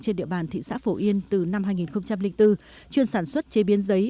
trên địa bàn thị xã phổ yên từ năm hai nghìn bốn chuyên sản xuất chế biến giấy